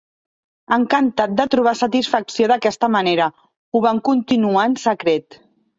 Encantat de trobar satisfacció d'aquesta manera, ho van continuar en secret.